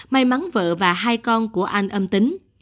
may mắn vợ và hai con của anh âm tính